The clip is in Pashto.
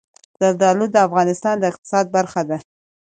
زردالو د افغانستان د اقتصاد برخه ده.